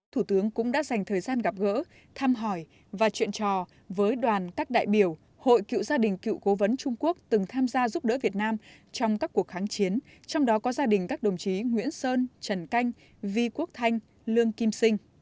thủ tướng cũng đã dành thời gian gặp gỡ thăm hỏi và chuyện trò với đoàn các đại biểu hội cựu gia đình cựu cố vấn trung quốc từng tham gia giúp đỡ việt nam trong các cuộc kháng chiến trong đó có gia đình các đồng chí nguyễn sơn trần canh vi quốc thanh lương kim sinh